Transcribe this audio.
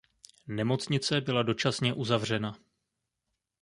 Nemocnice byla dočasně uzavřena.